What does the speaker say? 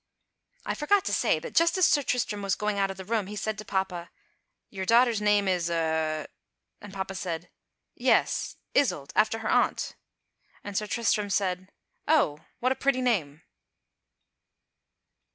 I forgot to say that just as Sir Tristram was going out of the room he said to papa: "Your daughter's name is er?" and papa said, "Yes, Iseult, after her aunt." And Sir Tristram said: "Oh! what a pretty name!"